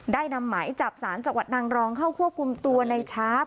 นำหมายจับสารจังหวัดนางรองเข้าควบคุมตัวในชาร์ฟ